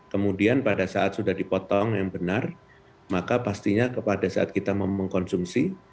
kemudian pada saat sudah dipotong yang benar maka pastinya pada saat kita mengkonsumsi